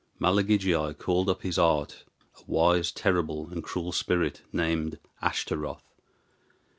Malagigi called up by his art a wise, terrible, and cruel spirit, named Ashtaroth.